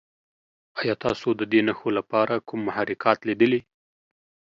ایا تاسو د دې نښو لپاره کوم محرکات لیدلي؟